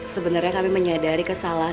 sebenarnya kami menyadari kesalahan